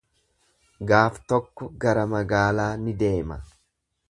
Gaaf tokko gara magaalaa ni deema.